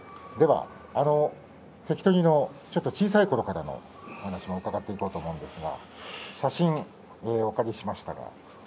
関取の小さいころからのお話も伺っていこうと思うんですが写真もお借りしました。